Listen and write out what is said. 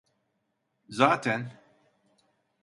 Zaten…